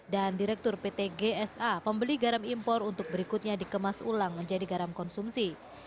dan direktur pt gsa pembeli garam impor untuk berikutnya dikemas ulang menjadi garam konsumsi